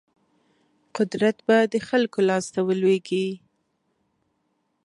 قدرت به د خلکو لاس ته ولویږي.